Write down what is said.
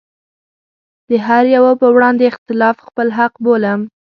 د هره يوه په وړاندې اختلاف خپل حق بولم.